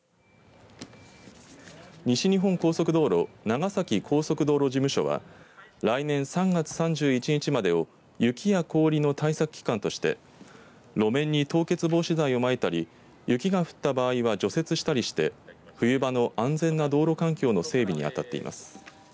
西日本高速道路長崎高速道路事務所は来年３月３１日までを雪や氷の対策期間として路面に凍結防止剤をまいたり雪が降った場合は除雪したりして冬場の安全な道路環境の整備に当たっています。